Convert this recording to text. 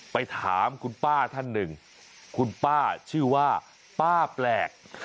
ไปถามคุณป้าท่านหนึ่งคุณป้าชื่อว่าป้าแปลก